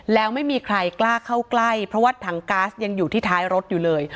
แล้วไม่มีใครกล้าเข้าใกล้เพราะว่าถังก๊าซยังอยู่ที่ท้ายรถอยู่เลย